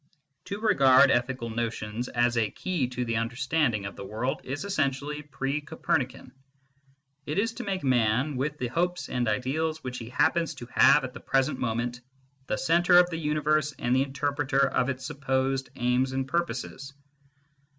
To regard ethical notions as a key to the understanding of the world is essentially pre Copernican. It is to make man, with the hopes and ideals which he happens to have at the present moment, the centre of the universe and the interpreter of its supposed aims and purposes.